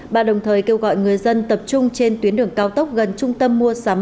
bà đồng thời kêu gọi người dân tập trung trên tuyến đường cao tốc gần trung tâm mua sắm